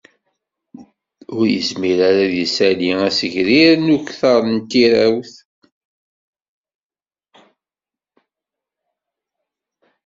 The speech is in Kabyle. Ur yezmir ara ad d-isali azegrir n ukter n tirawt